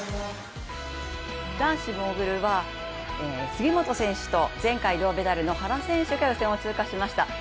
男子モーグルは、杉本選手と前回銅メダルの原選手が予選を通過しました。